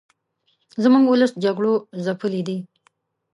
زموږ ولس جګړو ځپلې دې